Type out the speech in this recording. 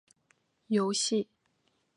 游戏